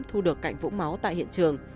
thu được cạnh vũ máu tại hiện trường